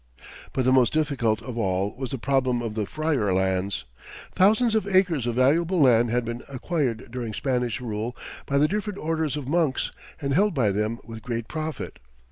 But the most difficult of all was the problem of the friar lands. Thousands of acres of valuable land had been acquired during Spanish rule by the different orders of monks, and held by them with great profit.